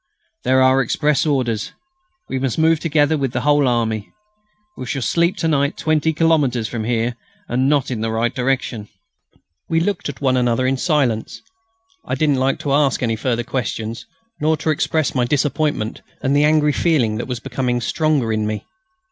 There are express orders. We must move together with the whole army. We shall sleep to night 20 kilometres from here ... and not in the right direction!" We looked at one another in silence. I didn't like to ask any further questions, nor to express my disappointment and the angry feeling that was becoming stronger in me.